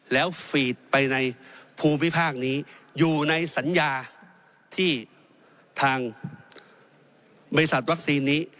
แล้วฟีดไปในภูมิภาคนี้อยู่ในสัญญาที่ทางบริษัทวัคซีนนี้